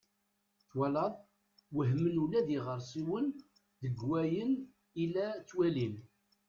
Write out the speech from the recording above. Twalaḍ! Wehmen ula d iɣersiwen deg wayen i la ttwalin.